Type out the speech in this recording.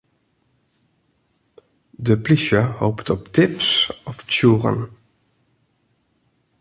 De polysje hopet op tips of tsjûgen.